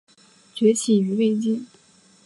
崛起于魏晋。